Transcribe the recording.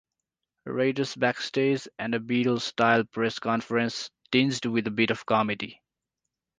Raiders backstage, and a Beatles-style press conference tinged with a bit of comedy.